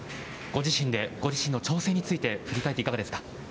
ご自身で、ご自身の挑戦について振り返っていかがですか。